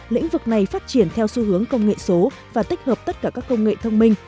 lĩnh vực này phát triển theo xu hướng công nghệ số và tích hợp tất cả các công nghệ thông minh